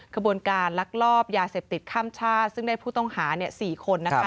ขบวนการลักลอบยาเสพติดข้ามชาติซึ่งได้ผู้ต้องหา๔คนนะคะ